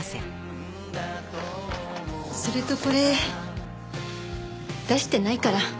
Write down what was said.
それとこれ出してないから。